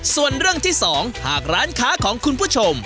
ส่วนเรื่องที่๒หากร้านค้าของคุณผู้ชม